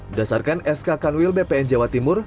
berdasarkan sk kanwil bpn jawa timur